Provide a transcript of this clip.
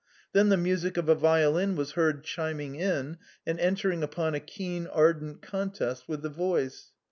Then the music of a violin was heard chiming in and entering upon a keen ardent contest with the voice.